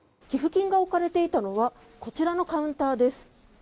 寄付金が置かれていたのはこちらのカウンターです。